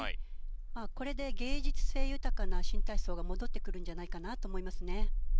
これで芸術性豊かな新体操が戻ってくるんじゃないかなと思いますね。